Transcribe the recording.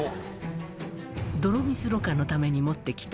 「泥水ろ過のために持ってきた」